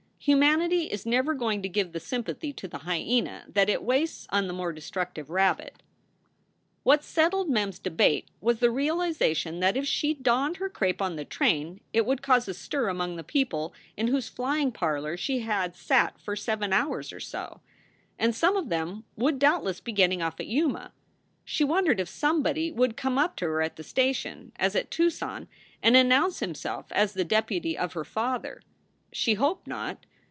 Humanity is never going to give the sympathy to the hyena that it wastes on the more destructive rabbit. What settled Mem s debate was the realization that if she donned her crape on the train it would cause a stir among the people in whose flying parlor she had sat for seven hours or so. And some of them would doubtless be getting off at Yuma. She wondered if somebody would come up to her at the station, as at Tucson, and announce himself as the deputy of her father. She hoped not.